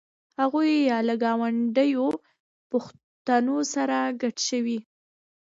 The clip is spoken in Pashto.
هغوی یا له ګاونډیو پښتنو سره ګډ شوي.